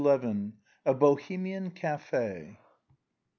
A BOHEMIAN" CAFE.